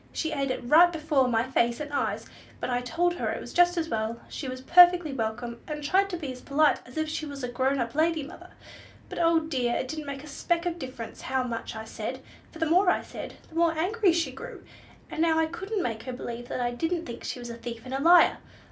She ate it right before my face and eyes; but I told her it was just as well, she was perfectly welcome, and tried to be as polite as if she was a grown up lady, mother. But, O, dear, it didn't make a speck of difference how much I said; for the more I said, the more angry she grew, and I couldn't make her believe I didn't think she was a thief and a liar!